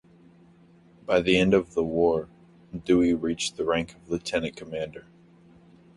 By the end of the war, Dewey reached the rank of lieutenant commander.